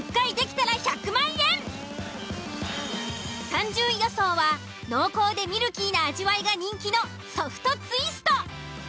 ３０位予想は濃厚でミルキーな味わいが人気のソフトツイスト。